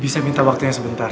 bisa minta waktunya sebentar